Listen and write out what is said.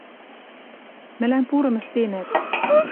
Мӹлӓм пурым ӹштенӓт...» —